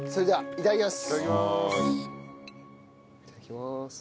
いただきます。